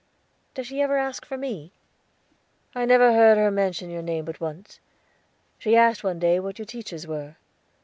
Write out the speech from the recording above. "Does she ever ask for me?" "I never heard her mention your name but once. She asked one day what your teachers were.